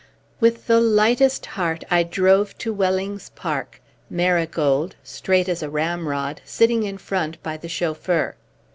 With the lightest heart I drove to Wellings Park. Marigold, straight as a ramrod, sitting in front by the chauffeur.